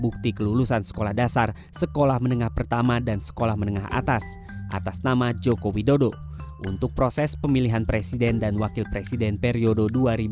berupa ijazah bukti kelulusan sekolah dasar sekolah menengah pertama dan sekolah menengah atas atas nama jokowi dodo untuk proses pemilihan presiden dan wakil presiden periode dua ribu sembilan belas dua ribu dua puluh empat